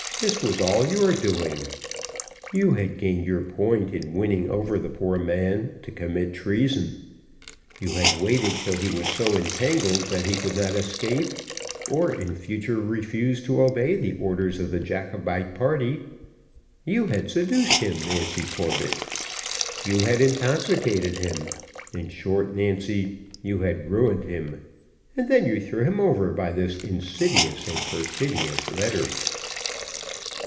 this was all your doing. You had gained your point in winning over the poor man to commit treason you had waited till he was so entangled that he could not escape, or in future refuse to obey the orders of the Jacobite party you had seduced him, Nancy Corbett you had intoxicated him in short, Nancy, you had ruined him, and then you threw him over by this insidious and perfidious letter.